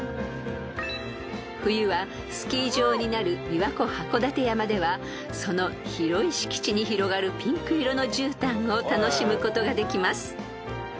［冬はスキー場になるびわこ箱館山ではその広い敷地に広がるピンク色のじゅうたんを楽しむことができます］